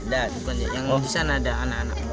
dan yang bisa ada anak anak